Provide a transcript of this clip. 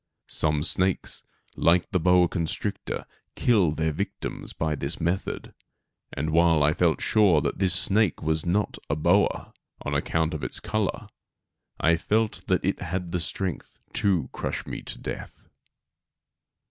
Some snakes, like the boa constrictor, kill their victims by this method; and while I felt sure that this snake was not a boa, on account of its color, I felt that it had the strength to crush me to death.